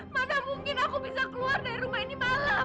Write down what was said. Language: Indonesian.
mana mungkin aku bisa keluar dari rumah ini malam